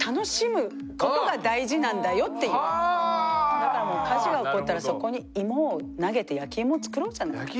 だからもう火事が起こったらそこにイモを投げて焼きイモを作ろうじゃないかっていう。